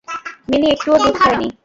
Mini একটুও দুধ খায়নি।